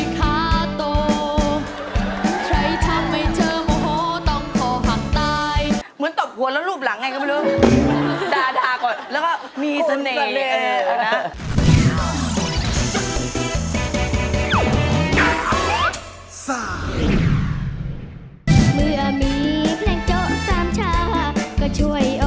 ดาดากดแล้วก็มีเสน่ห์